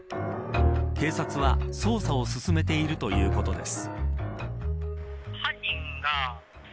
警察は捜査を進めているということです。